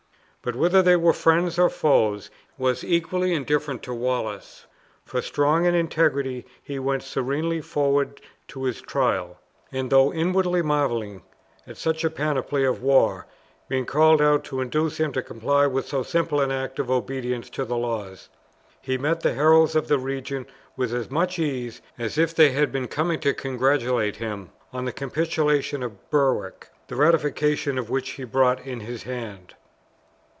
But whether they were friends or foes was equally indifferent to Wallace; for, strong in integrity, he went serenely forward to his trial; and, though inwardly marveling at such a panoply of war, being called out to induce him to comply with so simple an act of obedience to the laws, he met the heralds of the regent with as much ease as if they had been coming to congratulate him on the capitulation of Berwick, the ratification of which he brought in his hand.